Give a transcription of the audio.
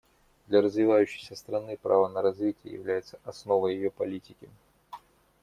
Для развивающейся страны право на развитие является основой ее политики.